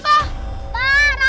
pak rafa ini pak